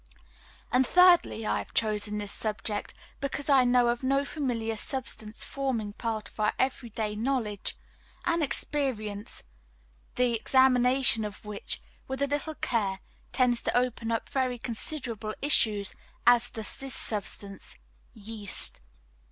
And thirdly, I have chosen this subject because I know of no familiar substance forming part of our every day knowledge and experience, the examination of which, with a little care, tends to open up such very considerable issues as does this substance yeast.